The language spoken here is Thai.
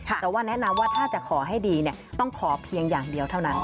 แต่ว่าแนะนำว่าถ้าจะขอให้ดีต้องขอเพียงอย่างเดียวเท่านั้น